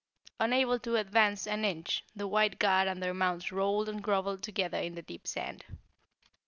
Unable to advance an inch, the white guard and their mounts rolled and groveled together in the deep sand.